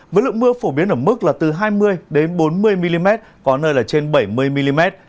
với lượng mưa phổ biến ở mức là từ hai mươi bốn mươi mm có nơi là trên bảy mươi mm